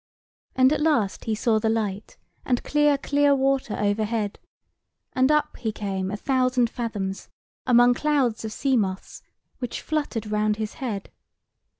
And at last he saw the light, and clear clear water overhead; and up he came a thousand fathoms, among clouds of sea moths, which fluttered round his head.